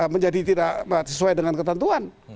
menjadi tidak sesuai dengan ketentuan